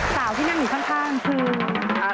ที่นั่งอยู่ข้างคือ